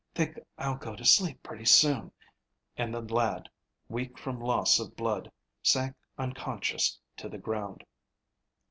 Think I'll go to sleep pretty soon," and the lad, weak from loss of blood, sank unconscious to the ground.